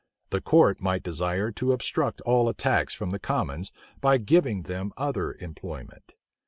The court might desire to obstruct all attacks from the commons, by giving them other employment.